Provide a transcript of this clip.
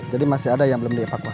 jadi masih ada yang belum dievakuasi